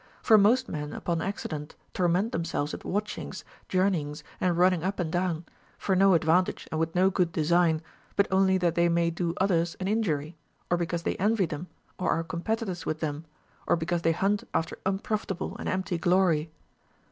For most men upon acci dent torment themselves with watchings, journeyings, and running up and down, for no advantage and Avith no good design, but only that they may do others an injury, or be cause they envy them or are competitors with them, or because they hunt after unprofitable and empty glory.